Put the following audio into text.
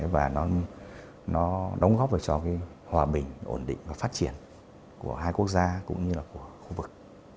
và nó đóng góp cho cái hòa bình ổn định và phát triển của hai quốc gia cũng như là của khu vực